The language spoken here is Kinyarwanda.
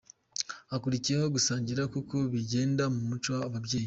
Hakurikiyeho gusangira nkuko bigenda mu muco, ababyeyi .